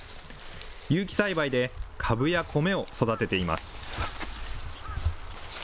有機栽培でカブや米を育てています。